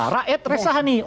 rakyat resah nih